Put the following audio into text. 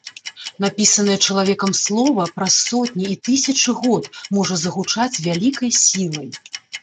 Напісанае чалавекам слова праз сотні і тысячы год можа загучаць вялікай сілай.